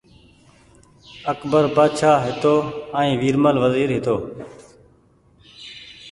اڪبر بآڇآ هيتو ائين ويرمل وزير هيتو